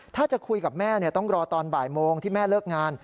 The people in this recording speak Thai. ถ้าจะคุยกับแม่ต้องรอตอนบ่ายโมงที่แม่เลิกงาน